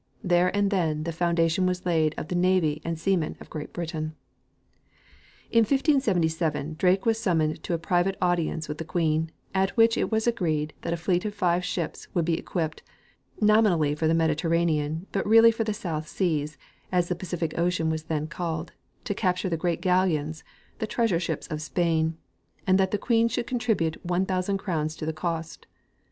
There and then the founda tion was laid of the navy and seamen of Great Britain. In 1577 Drake was summoned to a private audience with the queen, at which it was agreed that a fleet of five ships should be equipped, nominally for the Mediterranean but really for the South seas, as the Pacific ocean was then called, to capture the great galleons, the treasure ships of Spain ; and that the queen should contribute 1,000 crowns to the cost.